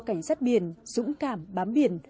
cảnh sát biển dũng cảm bám biển